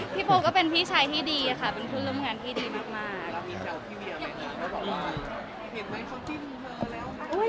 พี่โป๊ปก็เป็นพี่ชายที่ดีค่ะเป็นผู้ร่วมงานที่ดีมาก